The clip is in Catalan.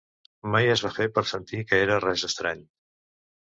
Mai es va fer per sentir que era res estrany.